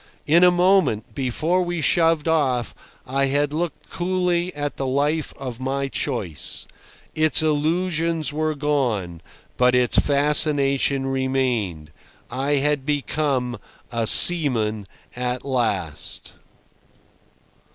In a moment, before we shoved off, I had looked coolly at the life of my choice. Its illusions were gone, but its fascination remained. I had become a seaman at last.